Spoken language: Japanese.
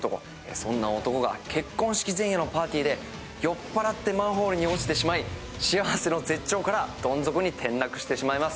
そんな男が結婚式前夜のパーティーで酔っ払ってマンホールに落ちてしまい幸せの絶頂からどん底に転落してしまいます。